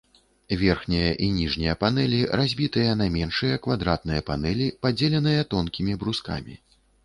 Верхняя і ніжняя панэлі разбітыя на меншыя квадратныя панэлі, падзеленыя тонкімі брускамі.